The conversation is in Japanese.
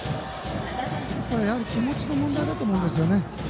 ですから気持ちの問題だと思うんですね。